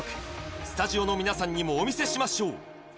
スタジオの皆さんにもお見せしましょう